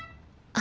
あ。